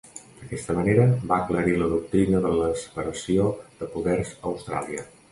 D'aquesta manera, va aclarir la doctrina de la separació de poders a Austràlia.